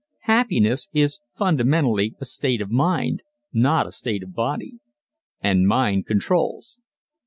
Happiness is fundamentally a state of mind not a state of body. And mind controls.